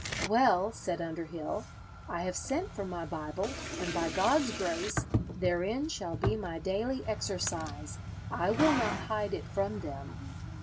'Well,' said Underhill, 'I have sent for my Bible, and, by God's grace, therein shall be my daily exercise; I will not hide it from them.'